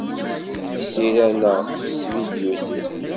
S tira neɣ s tvidyutin.